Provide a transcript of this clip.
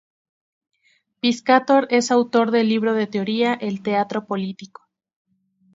Piscator es autor del libro de teoría "El teatro político".